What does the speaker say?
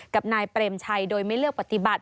กับนายเปรมชัยโดยไม่เลือกปฏิบัติ